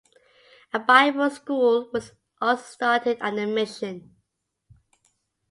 A Bible school was also started at the mission.